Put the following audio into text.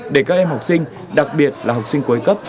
để các em học sinh đặc biệt là học sinh cuối cấp